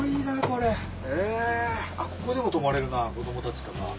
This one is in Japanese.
ここでも泊まれるな子供たちとか。